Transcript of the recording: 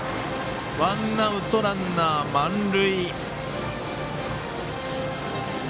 ワンアウト、ランナー、満塁。